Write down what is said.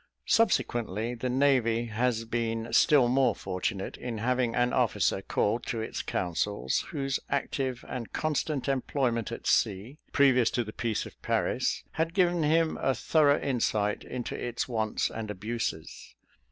Subsequently, the navy has been still more fortunate, in having an officer called to its councils, whose active and constant employment at sea, previous to the peace of Paris, had given him a thorough insight into its wants and abuses.